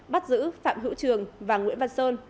bắt giữ phạm hữu trường và nguyễn văn sơn